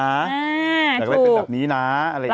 อยากได้เป็นแบบนี้นะอะไรอย่างนี้